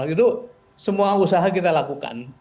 itu semua usaha kita lakukan